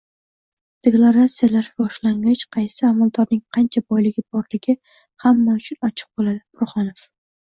Deklaratsiyalash boshlangach, qaysi amaldorning qancha boyligi borligi hamma uchun ochiq bo‘ladi - Burhonov